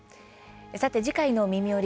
次回の「みみより！